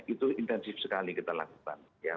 itu intensif sekali kita lakukan